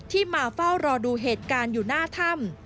มาเฝ้ารอดูเหตุการณ์อยู่หน้าถ้ำ